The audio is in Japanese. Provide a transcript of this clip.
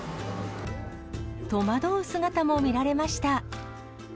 戸惑う姿も見られました。